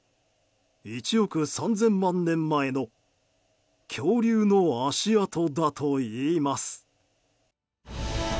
１億３０００万年前の恐竜の足跡だといいます。